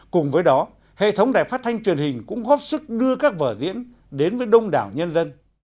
cùng với đó hệ thống đài phát thanh truyền hình cũng góp sức đưa các vở diễn đến với đông đảo nhân dân